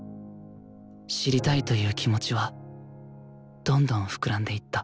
「知りたい」という気持ちはどんどん膨らんでいった